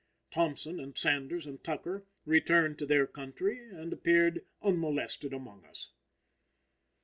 Thompson and Sanders and Tucker returned to their country and appeared unmolested amongst us.